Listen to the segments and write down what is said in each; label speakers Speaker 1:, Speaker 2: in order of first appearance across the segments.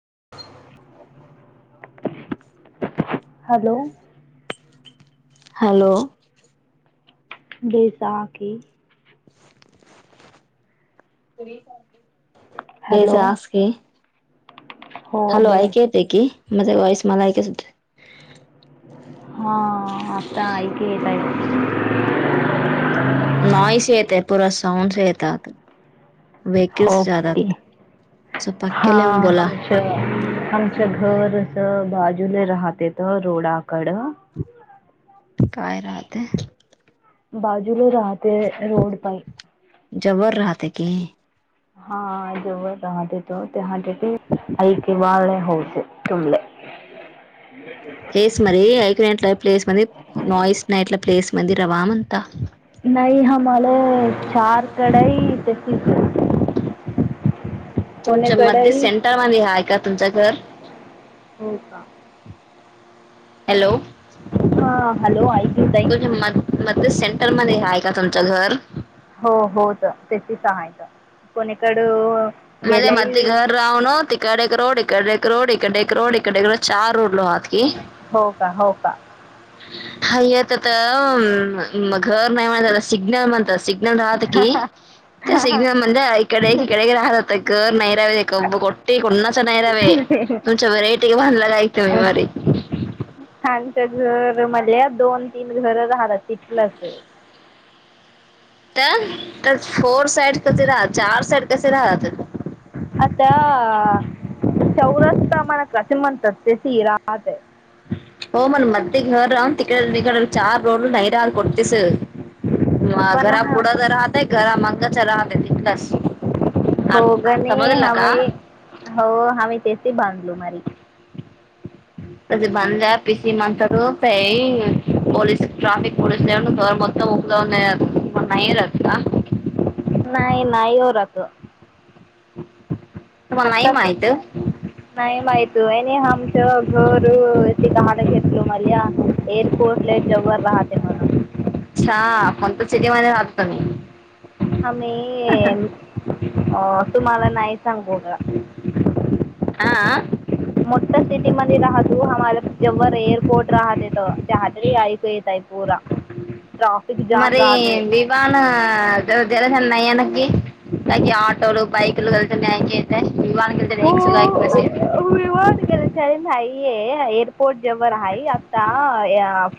Speaker 1: [inaudible] Hello [inaudible]
Speaker 2: hello [inaudible]
Speaker 1: [inaudible] घे जा की
Speaker 2: [unintelligible] भेजज
Speaker 1: हॅलो
Speaker 2: क
Speaker 1: हो
Speaker 2: हॅलो
Speaker 1: बे
Speaker 2: ऐक येत की माझ वॉईस मला ऐकयच होते
Speaker 1: [unintelligible] ते
Speaker 2: नॉयसेतय पुूरा सौंसता [unintelligible] आत
Speaker 1: हो
Speaker 2: असं
Speaker 1: [inaudible]
Speaker 2: पक्क्याला येऊन
Speaker 1: हा
Speaker 2: बोला
Speaker 1: घर अस बाजूने राहतेेत रोडाकड
Speaker 2: काय राहातय [inaudible]
Speaker 1: बाजूला राहते रोड पा
Speaker 2: जबर राहत की
Speaker 1: हा [unintelligible] अज हो हटेत ते हटेत अईक बाळ हो तुमले [inaudible]
Speaker 2: तेच नाही ऐकण्यात नाहीट प्लेस म वाईस नाहीटला प्लेस मध्ये रवामंता
Speaker 1: नाही हमला चार कढई [unintelligible] तेसस
Speaker 2: [inaudible] तुमच्या मध्ये सेंटरमध्ये हाय का तुमचं घर
Speaker 1: हो का [inaudible]
Speaker 2: हॅलो
Speaker 1: हा हॅलो ऐकली ताई
Speaker 2: त म सेंट [inaudible] [inaudible] सेंटरमध्ये आहे का तुमचं घर
Speaker 1: हो हो तर त्याची सायंकाळी कोणीकड
Speaker 2: म [unintelligible] मध घर रावण तिकाड एकरोड इकडे एक रोड इकडे एक रोड इकडे चार रोडो हात की [inaudible]
Speaker 1: होका होका
Speaker 2: हय [unintelligible] येत आता घर नाही म्हला सिग्नल म्हणत सग् नोड [unintelligible] हतकी त्या सिग्नल म्हणजे इकडेकडे राहतात घर नाहीरावे गटे कोणाचा नाहीरावे [unintelligible] तुमच्या व्हरायटी बधलालायते ममारी
Speaker 1: आचं [unintelligible] घर मधल्या दोन तीन घर राहिल तिथलंच
Speaker 2: त्यातच हो [inaudible]
Speaker 1: चौरस्त मन क्रसिमंत ते सीराात [unintelligible]
Speaker 2: हो मन मध घर तिकडघड चार रोडल नैरा कोटतीस [unintelligible] म
Speaker 1: पण
Speaker 2: घरा
Speaker 1: हा
Speaker 2: पुडा तर राहतय घरा मंगाच राहत तकाच [inaudible]
Speaker 1: होगणे [unintelligible] हम हो हम तेसे बांधलू मारी
Speaker 2: अज [unintelligible] बंदल्या पि स मंतर पई पोोलस ट्राफिक पोोलस लव तर बत ग [unintelligible] नाहीरत का
Speaker 1: नाही नाही होरत
Speaker 2: ह [inaudible]
Speaker 1: आताच नाही माहित [inaudible] आहे आमच गोरू हाट घेतलो मल एअरपोर्ट ला जेवर राहते [unintelligible] म्हण
Speaker 2: [unintelligible]
Speaker 1: आ मी अ [inaudible] तुम्हाला नाही सांगू का ह [inaudible]
Speaker 2: आ [inaudible]
Speaker 1: मोठ्या स्थितीमध्ये राहू [unintelligible] [unintelligible] तयपूर
Speaker 2: [unintelligible] [unintelligible]
Speaker 1: हो
Speaker 2: [unintelligible]
Speaker 1: रन भाई ये एअरपोर्ट जेवर आहे आता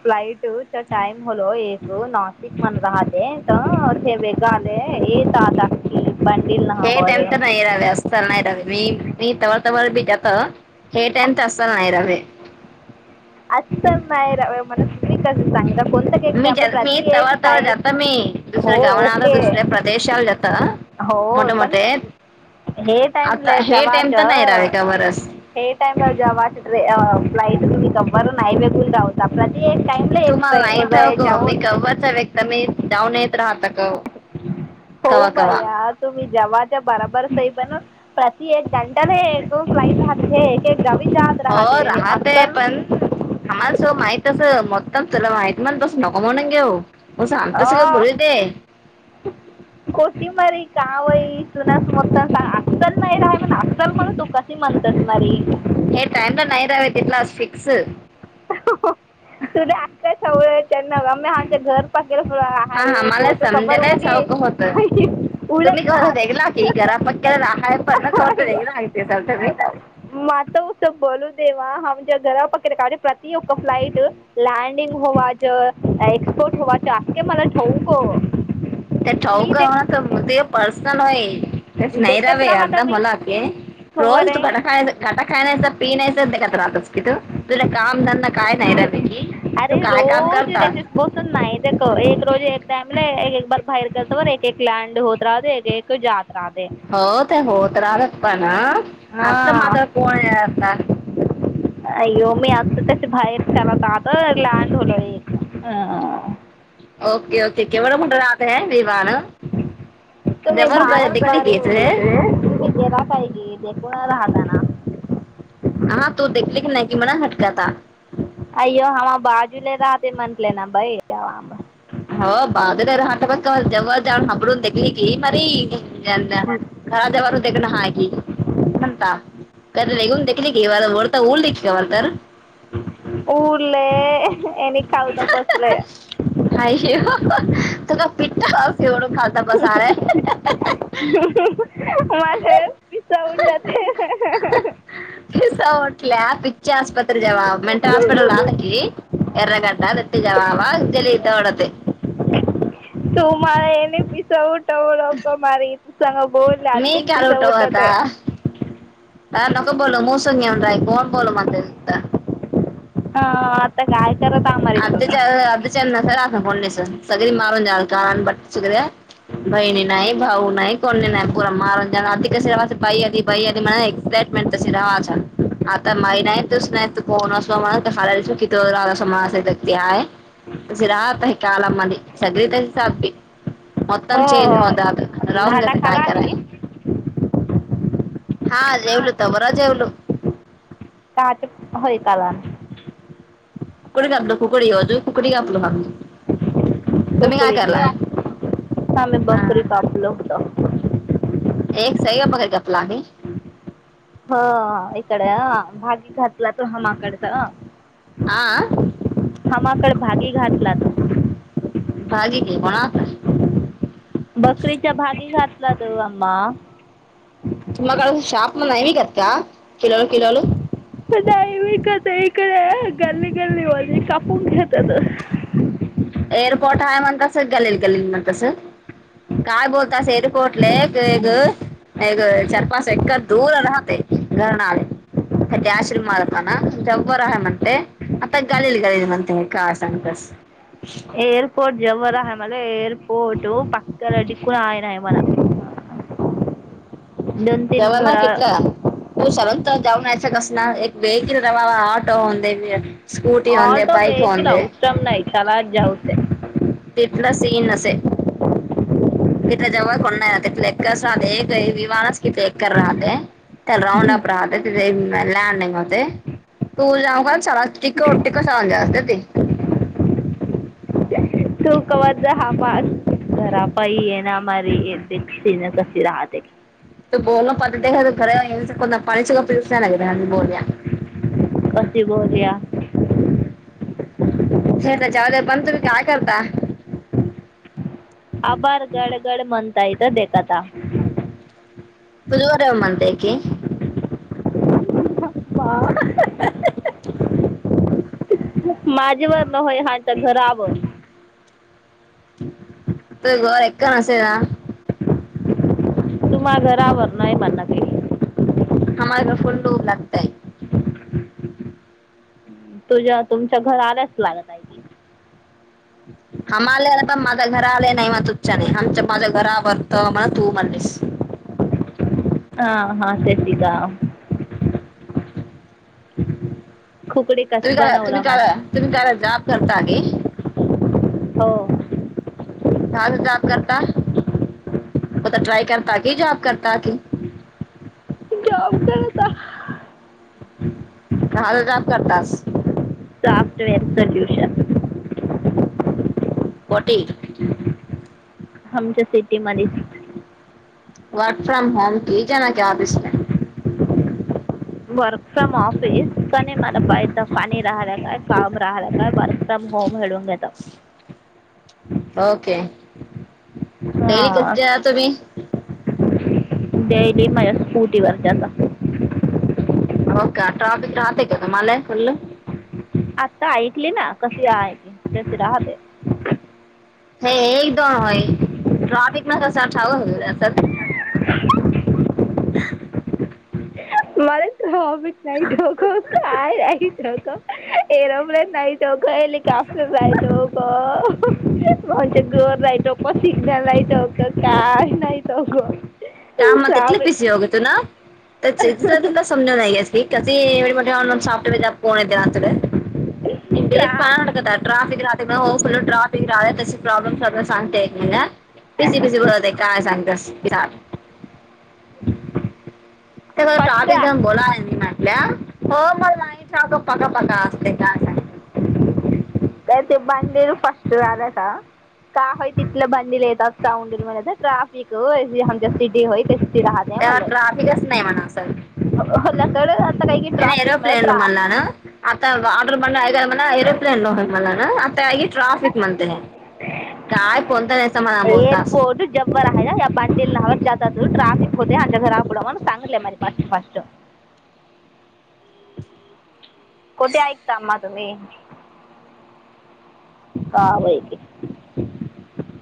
Speaker 1: फ्लाईट टाइम होलो एक नाशिक मण राहते [unintelligible] नावावर
Speaker 2: [unintelligible] [unintelligible]
Speaker 1: असं कोणत केक
Speaker 2: मी
Speaker 1: त्या
Speaker 2: जा
Speaker 1: प्रत
Speaker 2: मी तवा
Speaker 1: एक
Speaker 2: तवा
Speaker 1: टाई
Speaker 2: जाता मी दुसऱ्या
Speaker 1: हो
Speaker 2: गावाला आता
Speaker 1: ओके
Speaker 2: दुसऱ्या प्रदेशाला जाता
Speaker 1: हो
Speaker 2: मोठे
Speaker 1: पण
Speaker 2: मोठे
Speaker 1: हे टाईम
Speaker 2: आता
Speaker 1: लय
Speaker 2: हे टाइम
Speaker 1: जवच
Speaker 2: तर नाही रावे का बरस
Speaker 1: हे टाईम जेवा ट्रे फ्लाईट तुम्ही कव्हवर नाही वेघून [unintelligible]
Speaker 2: तुम्हाला नाही ठेव ग
Speaker 1: जाऊ
Speaker 2: मी कव्वचा व्यक्त मी डाऊन येत राहता का
Speaker 1: हो भाई तुम्ही जेवाच्या बरोबर काही पण ती एक दंटाल एक फ्लाईट राहते एक एक गवी
Speaker 2: हो राहतय पण आम्हालासो माहित अस मतम तुला वाह मण बस नको म्हणून घेऊ म
Speaker 1: अ
Speaker 2: सांगतस बोल दे
Speaker 1: कावई तु नाच म असल नाही राहा म्हण असल म्हण तू कशी म्हणतसणारी
Speaker 2: हे टाइम तर नाही रह तेला फिक्स
Speaker 1: तुझ आख सवळच्या न आ् आमच्या घर पाकेलं हा
Speaker 2: आम्हाला
Speaker 1: एअरपोर्ट कवरर
Speaker 2: समजायलाच
Speaker 1: होऊगे
Speaker 2: हवं होतं तुम्ही
Speaker 1: उडच
Speaker 2: कवर
Speaker 1: राहत
Speaker 2: वेगळा की घरा पक्क्याला राहाय पण कवर तर वेगळा आहे ते सर तुम्ही
Speaker 1: मात उ स बोल सवा हम ज गला पकडे काढ प्रति फ्लाईट लँडिंग होवा ज एक्सपोर्टवाच आखखे मला ठेऊ हो
Speaker 2: त्या
Speaker 1: मी
Speaker 2: चौक
Speaker 1: दे
Speaker 2: ना तर ते पर्सनल होय तेच
Speaker 1: देखत
Speaker 2: नाहीरवे
Speaker 1: राहता
Speaker 2: अर्धा
Speaker 1: मी
Speaker 2: मला क
Speaker 1: खबर
Speaker 2: रोज तू कटा खा कटा खाय नाहीस पि नाहीत राहस कि तू तु काम धंद
Speaker 1: अरे रोज
Speaker 2: करता
Speaker 1: त्याच्या बसून नाही ते एक रोज एक त्यामुळे एक एक बार बाहेर गतोवर एक एक लँड होत राहते एक एक जात राहते
Speaker 2: हो ते होत राहत पण
Speaker 1: हा
Speaker 2: आजचा मात कोण आहे आता
Speaker 1: अ येो मी आता त्याच्या बाहेर लात आता लँड होलो एक
Speaker 2: ओके ओके केवढं कठ राहत ह विमान
Speaker 1: तुम्ही
Speaker 2: जवळ ग-
Speaker 1: भारत
Speaker 2: देखली की इथे.
Speaker 1: तुम्ही तेरा का क ते कोुणा राहता ना
Speaker 2: हा तू देखली की नाही क मना हटकाात
Speaker 1: अयो हम बाजू ल रा ते म्हंटले ना बाईम
Speaker 2: हो बादरर हाटपाका जव जा हांबडून देखली की मारी ना खज वरदगन हकी अंत काघून देली क वरता ऊल दे का वरदर
Speaker 1: उरले आणिनी खालत बसलय
Speaker 2: काय ये तु का पिठावढ खात बसारा
Speaker 1: माझ पिसा उठा ते
Speaker 2: पसा उटल्या पि्च्याप रत जवाब मेट हॉस्पिटल राहत क एर्र गटा रत जवाब जली यत डते
Speaker 1: तू मला एने तिस उठ लोक म इथ सांग बोलले
Speaker 2: मी
Speaker 1: अदीं तिस उटत आहे
Speaker 2: का नक बोल मूस घेऊन राय कोण बोल म्ह
Speaker 1: हा आता काय करत आमारी
Speaker 2: अ
Speaker 1: तुम्ही
Speaker 2: अ चल पण सकरी मारून जा आ का बट सुग्र बहिणी नाही भाऊ नाही कोणी नाही पर मारून जा अधी कस भ आधी भ आध म एक्साइटमेंट तशी रवा आता माही नाही तच नाही त कोण अस म्हण खायला चुकी त अस असे ती आहे तझ राहात आहे कालमध्ये सगळी त्या सी मतम
Speaker 1: हो
Speaker 2: चेंज
Speaker 1: हो
Speaker 2: होत आ
Speaker 1: घाटा
Speaker 2: राहूनता काय
Speaker 1: खाला
Speaker 2: कराय हा जेवल तबर जेवल
Speaker 1: च होय काला
Speaker 2: कुकडी कापलो कुकडी हजो कुकडी कापलो हा
Speaker 1: टकळीली आमे बकरी कापलोत
Speaker 2: एक सही बगर कपलानी
Speaker 1: ह इकडे भागी घातला तो हमाकडचा
Speaker 2: आ
Speaker 1: लात
Speaker 2: भा क कोणाता
Speaker 1: बकरीच्या भागी घातला त आम्मा
Speaker 2: तुम काड शाप म नैवीिकत् का किलोळ किलोळ
Speaker 1: नाहीई विकत इकडे गल्ली गल्ली वाली कापून घेतात ह
Speaker 2: एअरपोर्ट आहे मण कस गेलेल गेलेल मग कसं काय बोलत सेरकोटले एक चरपास च दूर राहते घरणार अ ज्याशील माळपना जब्बरहमंत आता गळल गळली म्हणतेय काय सांगतस
Speaker 1: एअरपोर्ट जवर आहे मला एअरपोर्ट पक्काला डिकून आहे नाही [unintelligible]
Speaker 2: जव
Speaker 1: तीन
Speaker 2: ना
Speaker 1: घरा
Speaker 2: केतलं तू सल तर जाऊन यायचं कस ना एक वेळ कि वा आऑटो ह स्कूटी ह
Speaker 1: ऑटो
Speaker 2: बाईक
Speaker 1: वेहिकल
Speaker 2: होते
Speaker 1: अवसरम नाही चला जाऊसे
Speaker 2: तिथला सीन नसे पठे जवय कोण नाही एक विण तिथ एकर राहते त्याला राऊंड अप राहत तिथे लंग मते तू जाऊ का स ट सळ जा असत
Speaker 1: तू कवत हा मा घरा पई आहे ना आ दसी न द राहात आहे
Speaker 2: त बोल पतर पाणीचग पील्सग बोल
Speaker 1: कशी बोलया
Speaker 2: ह जावद बंत ब का का काता
Speaker 1: अभार गड गड मतयत देखात
Speaker 2: बुधवारव मत क
Speaker 1: वा माझ्यावर न्हय हच्या घरावर
Speaker 2: गोर एका नासे
Speaker 1: तु मा्हा घरावर नाही म्हणना तली
Speaker 2: प्र फंड लागतय
Speaker 1: तुझ्या तुमच्या घर आल्याच लागतय की
Speaker 2: हम आले पण माझ्या घरा आले नाही म तुझच्या नाही आमच्या माझ्या घरावररत म्हण तू म्हणस
Speaker 1: हह हा सच काा खुकडी कशी
Speaker 2: तुम्ही का
Speaker 1: बनवला
Speaker 2: तुम्ही का
Speaker 1: माझी
Speaker 2: तुम्ही का लाब करतागे
Speaker 1: हो
Speaker 2: दास हजार करता पता ट्राय करता क जॉब करता क
Speaker 1: जॉब करता
Speaker 2: हा काब करतास
Speaker 1: साॉफ्टवेअर सल्यूशन
Speaker 2: कटे
Speaker 1: आमच्या city much
Speaker 2: work from home की
Speaker 1: वर्क फ्रॉम ऑफिस आणि मला पाहिथ पाणी राहिला काय काम राहिलं काय वर्क फ्रॉम होम घळून घेत
Speaker 2: ओके
Speaker 1: हां
Speaker 2: कस आ तुम्ही
Speaker 1: डेली माझ्या स्कूटीवर जाताव
Speaker 2: हो का ट्राफिक राहत का तुम्हाला फुल्ल
Speaker 1: आता ऐकली ना कशी आहेयची कशी राहते
Speaker 2: ह एकदम आहे ट्राफिक ना [unintelligible]
Speaker 1: [unintelligible] एरोप्लेन नाही च [unintelligible] सिग्नल ला यटो का काय नाहीत ग
Speaker 2: [unintelligible] [unintelligible]
Speaker 1: ट्रा
Speaker 2: [unintelligible] [unintelligible] [unintelligible] पका
Speaker 1: फर्स्ट
Speaker 2: पका असते काय काय [unintelligible]
Speaker 1: तर ते बंदिल फर्स्ट राहिला का. [unintelligible] [inaudible] मला हो लकड
Speaker 2: [unintelligible]
Speaker 1: आता काही की ट्राफिक मला ट्रा
Speaker 2: [unintelligible] [unintelligible] काय कोणता नाही समाधान बोलतास
Speaker 1: [unintelligible] [unintelligible] [unintelligible] कुठे आहेत आमा तुम्ही? [unintelligible]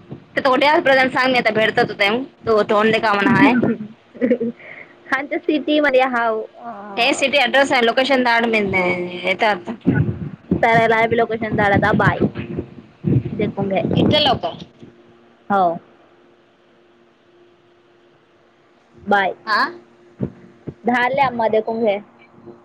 Speaker 2: [unintelligible] म्हणा आहे
Speaker 1: [unintelligible]
Speaker 2: [unintelligible]
Speaker 1: [unintelligible]
Speaker 2: इथ लोकं.
Speaker 1: हो.
Speaker 2: हा
Speaker 1: [unintelligible]